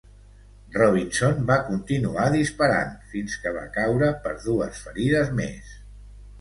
Robinson va continuar disparant fins que va caure per dues ferides més.